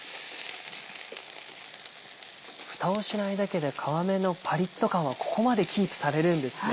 フタをしないだけで皮目のパリっと感はここまでキープされるんですね。